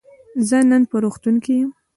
زه نن په روغتون کی یم.